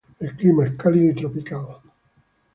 El clima es cálido, y tropical.